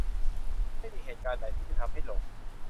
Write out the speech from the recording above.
ไม่มีเหตุการณ์ไหนที่จะทำให้หลง